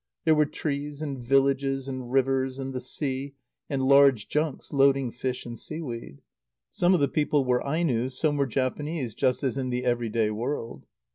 There were trees, and villages, and rivers, and the sea, and large junks loading fish and seaweed. Some of the people were Ainos, some were Japanese, just as in the every day world.